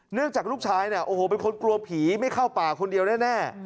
เนื่องจากลูกชายเป็นคนกลัวผีไม่เข้าป่าคนเดียวแน่